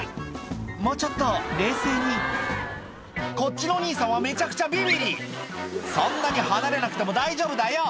もうちょっと冷静にこっちのお兄さんはめちゃくちゃビビリ「そんなに離れなくても大丈夫だよ」